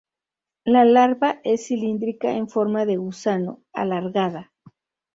La larva es cilíndrica con forma de gusano, alargada.